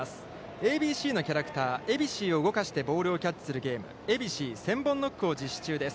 ＡＢＣのキャラクター「エビシー」を動かしてボールをキャッチするゲーム「エビシー１０００本ノック」を実施中です。